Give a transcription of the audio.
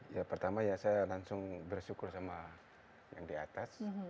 ya pertama ya saya langsung bersyukur sama yang di atas